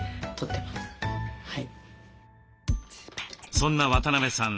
そんな渡邊さん